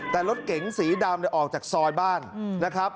แต่รถเก๋งสีดำออกจากซอยบ้านนะครับ